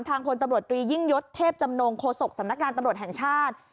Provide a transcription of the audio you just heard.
พลตำรวจตรียิ่งยศเทพจำนงโฆษกสำนักงานตำรวจแห่งชาติ